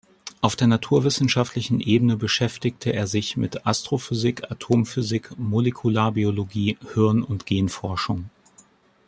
Auf der naturwissenschaftlichen Ebene beschäftigte er sich mit Astrophysik, Atomphysik, Molekularbiologie, Hirn- und Genforschung.